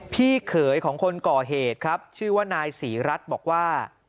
พี่เขยของคนก่อเหตุครับชื่อว่านายศรีรัฐบอกว่า